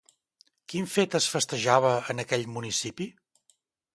Quin fet es festejava en aquell municipi?